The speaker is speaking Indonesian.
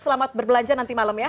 selamat berbelanja nanti malam ya